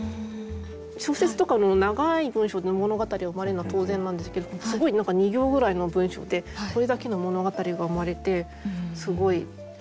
小説とかの長い文章で物語がうまれるのは当然なんですけどすごい何か２行ぐらいの文章でこれだけの物語がうまれてすごい。